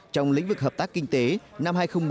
trong lĩnh vực hợp tác kinh tế năm hai nghìn một mươi